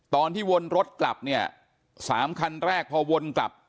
ตอนที่วนรถกลับเนี่ยสามคันแรกพอวนกลับ